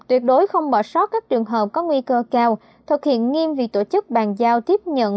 tuyệt đối không bỏ sót các trường hợp có nguy cơ cao thực hiện nghiêm việc tổ chức bàn giao tiếp nhận